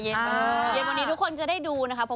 เย็นวันนี้ทุกคนจะได้ดูนะคะ